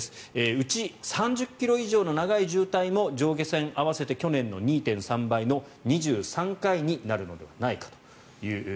うち３０ｋｍ以上の長い渋滞も上下線合わせて去年の２．３倍の２３回になるのではないかと。